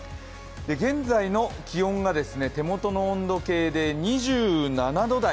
現在の気温が手元の温度計で２７度台。